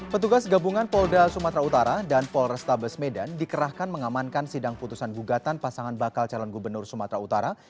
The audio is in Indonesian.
petugas gabungan polda sumatera utara dan polrestabes medan dikerahkan mengamankan sidang putusan gugatan pasangan bakal calon gubernur sumatera utara